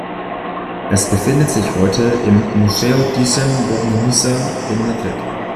Es befindet sich heute im Museo Thyssen-Bornemisza in Madrid.